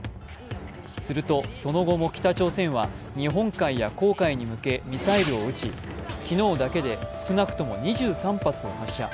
するとその後も北朝鮮は日本海や黄海に向けミサイルを撃ち昨日だけで少なくとも２３発を発射。